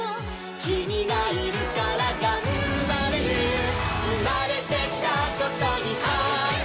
「キミがいるからがんばれる」「うまれてきたことにはくしゅ」「」